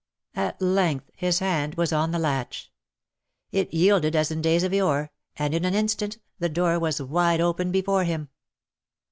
At length his hand was on the latch ; it yielded as in days of yore, and in an instant the door was wide open before him.